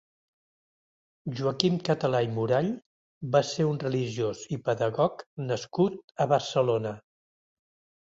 Joaquim Català i Murall va ser un religiós i pedagog nascut a Barcelona.